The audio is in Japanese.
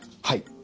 はい。